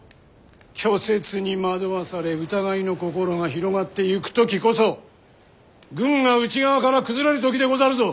虚説に惑わされ疑いの心が広がってゆく時こそ軍が内側から崩れる時でござるぞ！